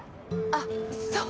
あっそう。